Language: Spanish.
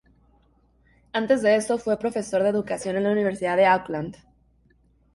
Antes de eso fue Profesor de Educación en la Universidad de Auckland.